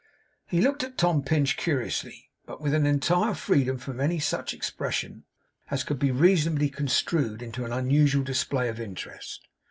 He looked at Tom Pinch curiously, but with an entire freedom from any such expression as could be reasonably construed into an unusual display of interest.